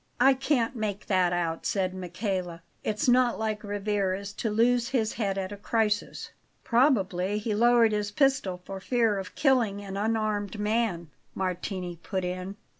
"I can't make that out," said Michele. "It's not like Rivarez to lose his head at a crisis." "Probably he lowered his pistol for fear of killing an unarmed man," Martini put in.